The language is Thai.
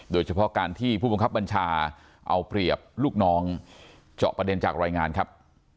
โดยเฉพาะการที่ผู้บังคับบัญชาเอาเปรียบลูกน้องเจาะประเด็นจากรายงานครับ